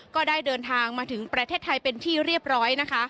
ก็ได้เดินทางมาถึงประเทศไทยเป็นที่เรียบร้อยนะคะ